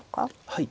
はい。